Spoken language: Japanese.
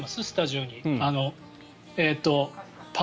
スタジオに。